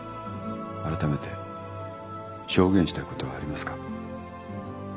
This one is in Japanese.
あらためて証言したいことはありますか？